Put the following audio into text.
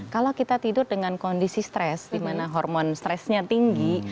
kalau kita tidur dengan kondisi stres di mana hormon stresnya tinggi